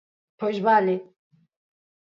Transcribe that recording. Pois vale!